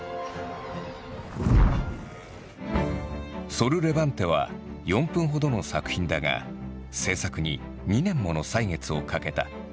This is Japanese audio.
「ソル・レヴァンテ」は４分ほどの作品だが制作に２年もの歳月をかけた。